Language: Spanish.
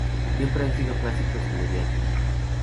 Siempre han sido clásicos inmediatos.